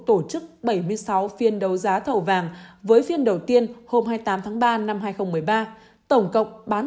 tổ chức bảy mươi sáu phiên đấu giá thầu vàng với phiên đầu tiên hôm hai mươi tám tháng ba năm hai nghìn một mươi ba tổng cộng bán